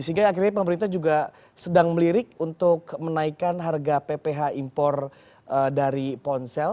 sehingga akhirnya pemerintah juga sedang melirik untuk menaikkan harga pph impor dari ponsel